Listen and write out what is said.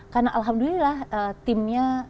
karena alhamdulillah timnya